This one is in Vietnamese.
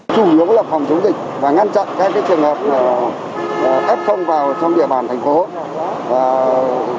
chủ yếu là phòng chống dịch và ngăn chặn các trường hợp ép thông vào trong địa bàn thành phố